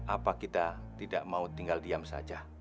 apa kita tidak mau tinggal diam saja